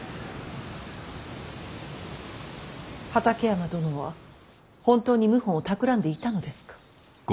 畠山殿は本当に謀反をたくらんでいたのですか。